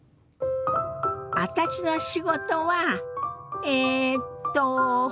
私の仕事はえっと